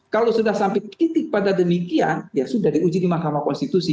kalau sudah sampai titik pada demikian ya sudah diuji di mahkamah konstitusi